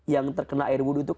yang terkena air wudhu itu